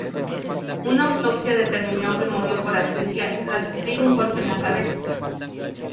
Una autopsia determinó que murió por asfixia tras sufrir un golpe en la cabeza.